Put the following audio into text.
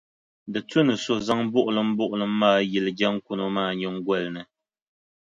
Di tu ni so zaŋ buɣilimbuɣiliŋ maa yili jaŋkuno maa nyiŋgoli ni.